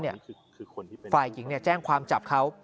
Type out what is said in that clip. ฝ่ายหญิงแจ้งความจับเขา